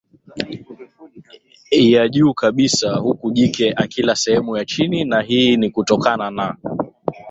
ya juu kabisa huku jike akila sehemu ya chini na hii ni kutokana na